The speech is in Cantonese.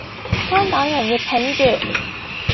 香港人要挺著